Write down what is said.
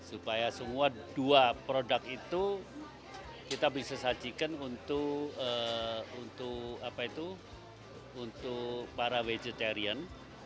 supaya semua dua produk itu kita bisa sajikan untuk para vegetarian